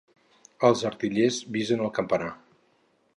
Els artillers visen el campanar.